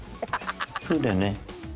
そうだよね？